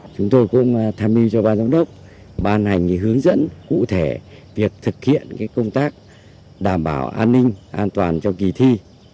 chúng tôi cũng tham mưu cho ban giám đốc ban hành hướng dẫn cụ thể việc thực hiện công tác đảm bảo an ninh an toàn cho kỳ thi